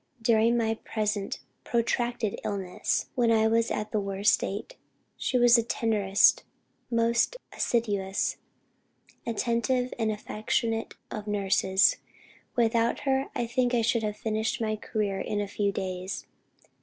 "During my present protracted illness, and when I was at the worst stage, she was the tenderest, most assiduous, attentive and affectionate of nurses. Without her, I think I should have finished my career in a few days.